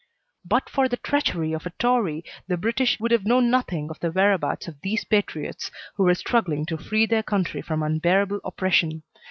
"But for the treachery of a Tory the British would have known nothing of the whereabouts of these patriots who were struggling to free their country from unbearable oppression.